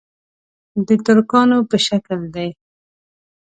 د ترکانو په شکل دي.